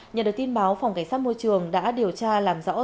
nhận được tin báo phòng cảnh sát môi trường đã điều tra làm rõ